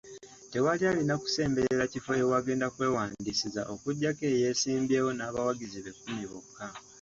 Tewali alina kusemberera kifo ewagenda okwewandisizza okuggyako eyeesimbyewo n'abawagizi be kumi bokka.